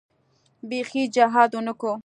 بيخي جهاد ونه کو.